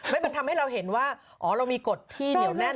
มันทำให้เราเห็นว่าอ๋อเรามีกฎที่เหนียวแน่น